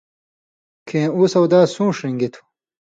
کھیں اُو سودا سُون٘ݜ رِن٘گیۡ تھُو۔